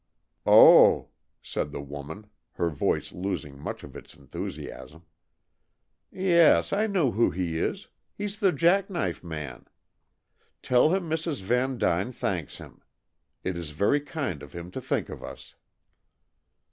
"Oh," said the woman, her voice losing much of its enthusiasm. "Yes, I know who he is. He's the jack knife man. Tell him Mrs. Vandyne thanks him; it is very kind of him to think of us."